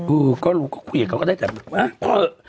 อืมก็รู้ก็คุยกับเขาก็ได้แบบเออเผลอ